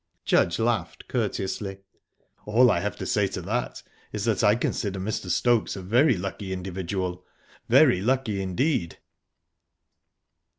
Judge laughed courteously. "All I have to say to that is that I consider Mr. Stokes a very lucky individual very lucky indeed!"